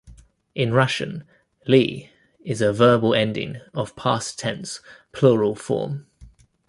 In Russian, "-li" is a verbal ending of past tense plural form.